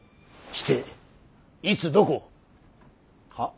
していつどこを。